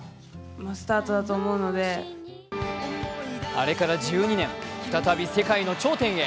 あれから１２年、再び世界の頂点へ。